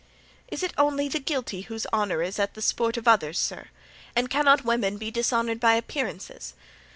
"Is it only the guilty whose honor is at the sport of others, sir? and cannot women be dishonored by appearances?